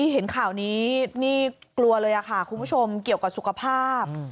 เห็นข่าวนี้นี่กลัวเลยค่ะคุณผู้ชมเกี่ยวกับสุขภาพ